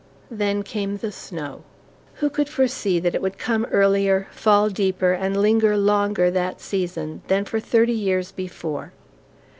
Then came the snow! Who could foresee that it would come earlier, fall deeper, and linger longer, that season than for thirty years before?